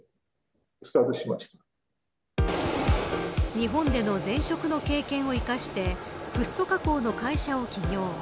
日本での前職の経験を生かしてフッ素加工の会社を起業。